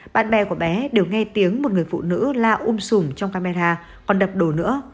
bạn bè của bé đều nghe tiếng một người phụ nữ la um sùm trong camera còn đập đồ nữa